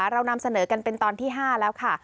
เรานำเสนอกันเป็นตอนที่๕แล้วค่ะ